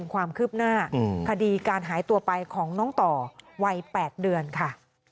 คดีการหายตัวไปของน้องต่อวัย๘เดือนค่ะ